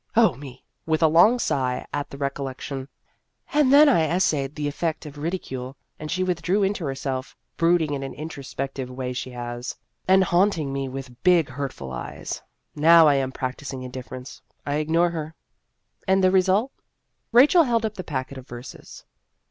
Oh, me !" with a long sigh at the recollection, "and then I essayed the effect of ridicule, and she withdrew into herself, brooding in an introspective way she has, and haunting me with big hurt looking eyes. Now I am practising indifference ; I ignore her." " And the result ?" Rachel held up the packet of verses.